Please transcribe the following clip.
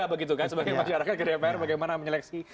sebagai masyarakat di dpr bagaimana menyeleksi